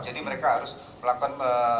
jadi mereka harus melakukan